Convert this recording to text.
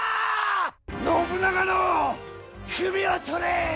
信長の首を取れ！